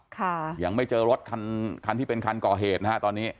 ค่ะยังไม่เจอรถคันคันที่เป็นคันก่อเหตุนะฮะตอนนี้